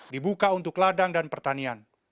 dibuka untuk ladang dan pertanian